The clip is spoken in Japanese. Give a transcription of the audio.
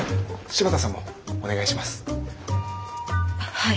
はい。